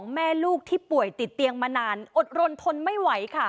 แม่ลูกที่ป่วยติดเตียงมานานอดรนทนไม่ไหวค่ะ